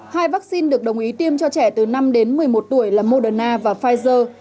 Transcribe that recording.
hai vaccine được đồng ý tiêm cho trẻ từ năm đến một mươi một tuổi là moderna và pfizer